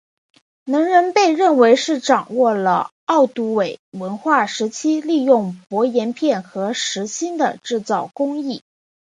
能人被认为是掌握了奥杜韦文化时期利用薄岩片和石芯的制造工艺。